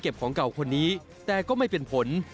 ของเก่าคนนี้แต่ก็ไม่เป็นผล